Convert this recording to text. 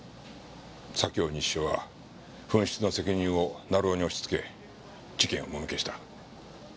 左京西署は紛失の責任を成尾に押しつけ事件をもみ消した。